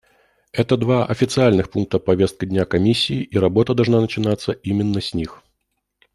Это два официальных пункта повестки дня Комиссии, и работа должна начинаться именно с них.